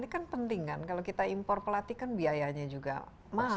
ini kan penting kan kalau kita impor pelatih kan biayanya juga mahal